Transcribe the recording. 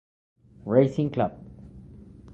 Racing Club.